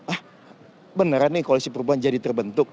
ah beneran nih koalisi perubahan jadi terbentuk